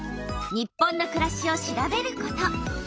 「日本のくらし」を調べること。